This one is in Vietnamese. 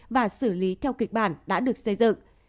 và xử lý theo kịch bản đã được xây dựng